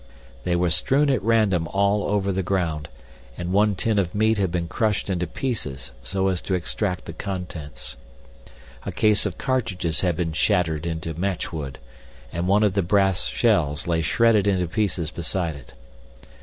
They were strewn at random all over the ground, and one tin of meat had been crushed into pieces so as to extract the contents. A case of cartridges had been shattered into matchwood, and one of the brass shells lay shredded into pieces beside it.